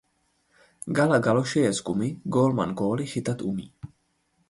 Gala galoše je z gumy, gólman góly chytat umí.